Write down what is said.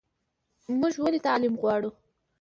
موږ ولې تعلیم غواړو؟